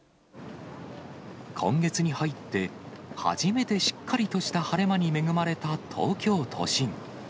今月に入って、初めてしっかりとした晴れ間に恵まれた東京都心。